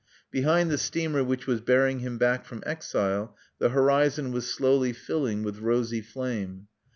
Behind the steamer which was bearing him back from exile the horizon was slowly filling with rosy flame.